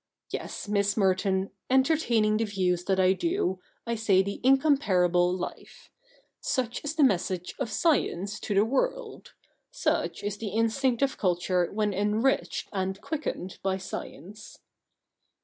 Yes, Miss Merton, entertaining the views that I do, I say the incomparable life. Such is the message of science to the world : such is the instinct of culture when enriched and quickened by science.'